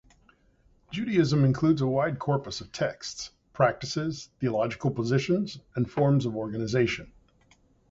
Judaism includes a wide corpus of texts, practices, theological positions, and forms of organization.